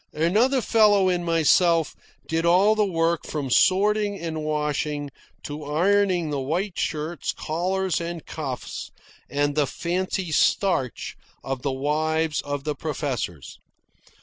Another fellow and myself did all the work from sorting and washing to ironing the white shirts, collars and cuffs, and the "fancy starch" of the wives of the professors.